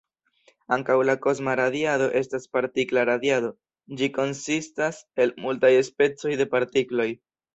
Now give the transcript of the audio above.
Ankaŭ la kosma radiado estas partikla radiado; ĝi konsistas el multaj specoj de partikloj.